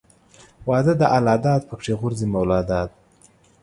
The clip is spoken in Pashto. واده د الله داد پکښې غورځي مولاداد.